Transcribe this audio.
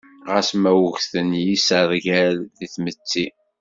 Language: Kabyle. Ɣas ma ugten yisergal deg tmetti.